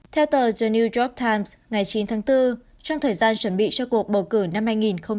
theo tờ the new york times ngày chín tháng bốn trong thời gian chuẩn bị cho cuộc bầu cử năm hai nghìn hai mươi bốn